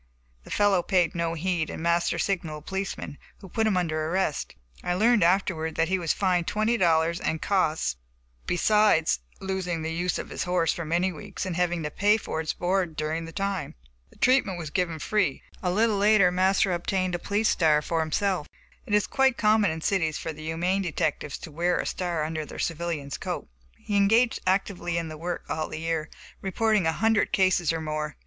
The fellow paid no heed, and Master signaled a policeman, who put him under arrest. I learned afterward that he was fined twenty dollars and costs, besides losing the use of his horse for many weeks and having to pay for its board during the time. The treatment was given free. A little later Master obtained a policeman's star for himself. (It is quite common in cities for the humane detectives to wear their star under a civilian's coat.) He engaged actively in the work all the year, reporting a hundred cases or more.